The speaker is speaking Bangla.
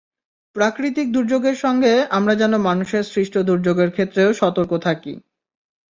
প্রাকৃতিক দুর্যোগের সঙ্গে আমরা যেন মানুষের সৃষ্ট দুর্যোগের ক্ষেত্রেও সতর্ক থাকি।